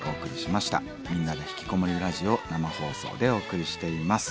「みんなでひきこもりラジオ」生放送でお送りしています。